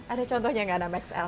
ada contohnya enggak enam xl